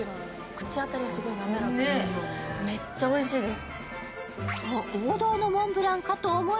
口当たりはすごい滑らかでめっちゃおいしいです。